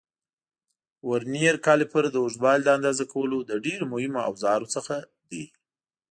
ورنیر کالیپر د اوږدوالي د اندازه کولو له ډېرو مهمو اوزارونو څخه دی.